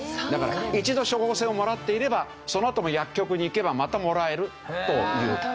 だから一度処方箋をもらっていればそのあとも薬局に行けばまたもらえるという。